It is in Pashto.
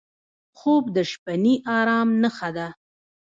خوب د شپهني ارام نښه ده